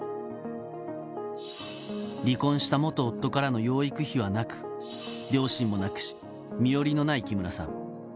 離婚した元夫からの養育費はなく、両親も亡くし、身寄りのない木村さん。